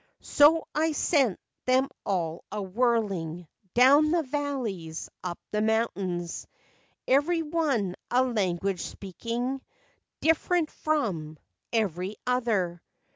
" So I sent them all a whirling Down the valleys, up the mountains, Every one a language speaking Different from evqxy other.